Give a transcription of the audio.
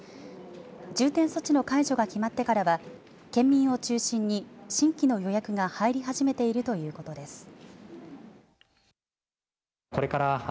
重点措置の解除が決まってからは県民を中心に新規の予約が入り始めているということです。